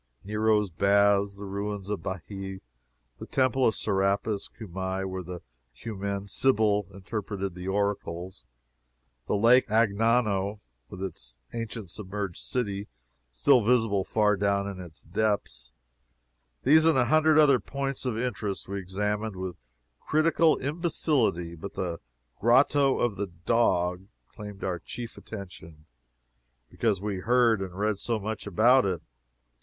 Nero's Baths, the ruins of Baiae, the Temple of Serapis; Cumae, where the Cumaen Sybil interpreted the oracles, the Lake Agnano, with its ancient submerged city still visible far down in its depths these and a hundred other points of interest we examined with critical imbecility, but the Grotto of the Dog claimed our chief attention, because we had heard and read so much about it.